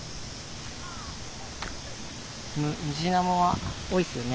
ムジナモは多いっすよね。